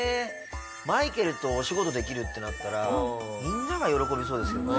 マイケルとお仕事できるってなったらみんなが喜びそうですけどね。